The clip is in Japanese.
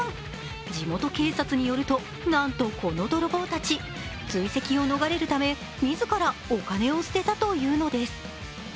地元警察によるとなんとこの泥棒たち追跡を逃れるため、自らお金を捨てたというのです。